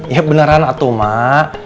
iya beneran atuh mak